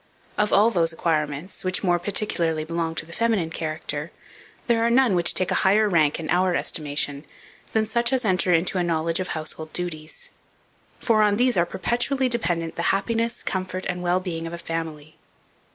Of all those acquirements, which more particularly belong to the feminine character, there are none which take a higher rank, in our estimation, than such as enter into a knowledge of household duties; for on these are perpetually dependent the happiness, comfort, and well being of a family.